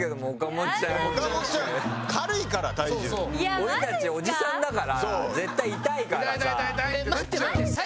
俺たちおじさんだから絶対痛いからさ。